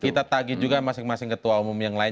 kita tagih juga masing masing ketua umum yang lain